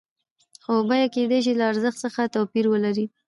خو بیه کېدای شي له ارزښت څخه توپیر ولري